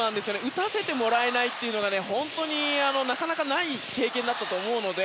打たせてもらえないというのは本当になかなかない経験だったと思うので。